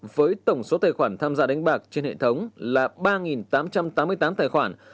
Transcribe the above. với tổng số tài khoản tham gia đánh bạc trên hệ thống là ba tám trăm tám mươi tám tài khoản